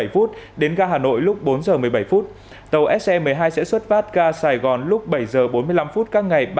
phút đến gà hà nội lúc bốn giờ một mươi bảy phút tàu sm một mươi hai sẽ xuất phát ca sài gòn lúc bảy giờ bốn mươi năm phút các ngày ba